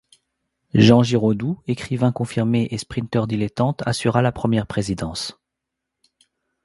Jean Giraudoux écrivain confirmé et sprinter dilettante assura la première présidence.